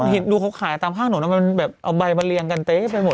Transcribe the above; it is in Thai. ดูเขาขายตามข้างถนนทำไมมันแบบเอาใบมาเรียงกันเต๊ะไปหมด